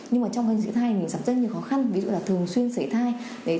nhưng mà trong cái giữ thai mình sẵn sàng nhiều khó khăn ví dụ là thường xuyên xảy thai